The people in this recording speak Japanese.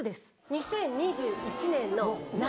２０２１年の夏。